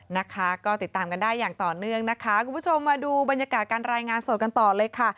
นะคะก็ติดตามกันได้อย่างต่อเนื่องนะคะคุณผู้ชมมาดูบรรยากาศการรายงานสดกันต่อเลยค่ะ